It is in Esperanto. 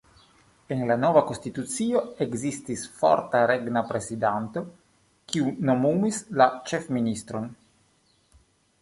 En la nova konstitucio ekzistis forta regna prezidanto, kiu nomumis la ĉefministron.